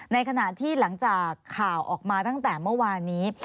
ในขณะที่หลังจากข่าวออกมาตั้งแต่เมื่อวานนี้